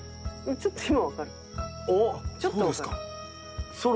ちょっとわかる。